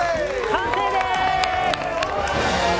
完成です！